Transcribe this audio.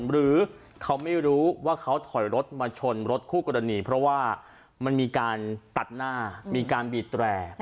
หรือเขาไม่รู้ว่าเขาถอยรถมาชนรถคู่กรณีเพราะว่ามันมีการตัดหน้ามีการบีดแตร